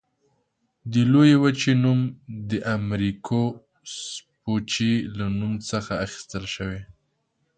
دې لویې وچې نوم د امریکو سپوچي له نوم څخه اخیستل شوی.